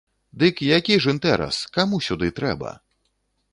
Дык які ж інтэрас, каму сюды трэба?